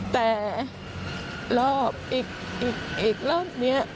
แต่รอบอีกรอบนี้